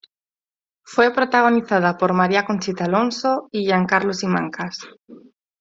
Fue protagonizada por María Conchita Alonso y Jean Carlo Simancas.